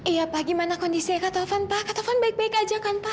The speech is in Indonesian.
iya pak gimana kondisinya kak taufan pak kak taufan baik baik aja kan pak